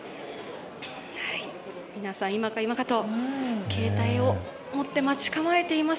皆さん、今か今かと携帯を持って待ち構えています。